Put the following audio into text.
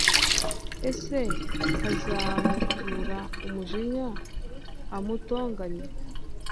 Ese azamutura umujinya, amutonganye